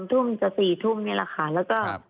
ทุ่มจะ๔ทุ่มนี่แหละค่ะแล้วก็